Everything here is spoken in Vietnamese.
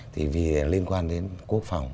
thì vì liên quan đến quốc phòng